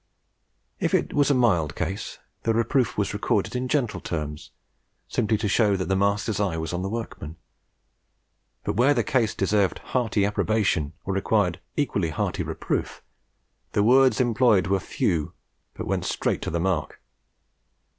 If it was a mild case, the reproof was recorded in gentle terms, simply to show that the master's eye was on the workman; but where the case deserved hearty approbation or required equally hearty reproof, the words employed were few, but went straight to the mark.